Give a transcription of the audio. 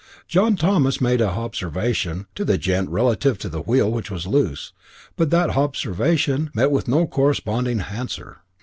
John Thomas made a hobservation to the gent relative to the wheel which was loose, but that hobservation met with no corresponding hanswer.